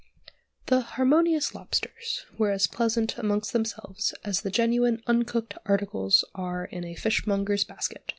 "The Harmonious Lobsters" were as pleasant amongst themselves as the genuine uncooked articles are in a fishmonger's basket.